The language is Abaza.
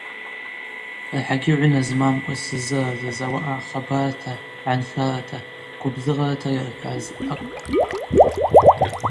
Рахӏагьи гӏвына змамкӏва сыззыразыз ауаъа хабарта, гӏаншарата, гвыбзыгъарата йырхӏваз акӏвпӏ.